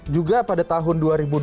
juga pada tahun dua ribu dua puluh